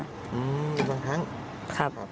บุญธรรมบ้างครั้งครับ